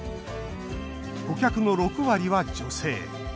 顧客の６割は女性。